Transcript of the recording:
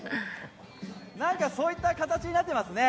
何かそういった形になっていますね。